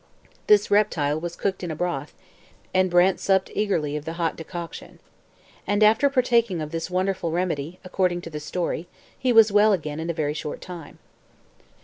This reptile was cooked in a broth, and Brant supped eagerly of the hot decoction. And after partaking of this wonderful remedy, according to the story, he was well again in a very short time.